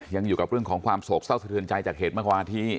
ยังอยู่กับเรื่องของความโศกเศร้าสะเทือนใจจากเหตุเมื่อกวาที่